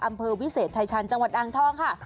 อำเภอวิเศษชายชาญจังหวัดอ่างทองค่ะ